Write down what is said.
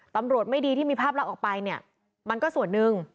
ตำรวจไม่ดีที่มีภาพเล่าออกไปมันก็ส่วนนึง